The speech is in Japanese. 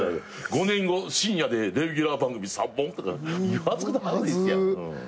「５年後深夜でレギュラー番組３本」とかはずいやん。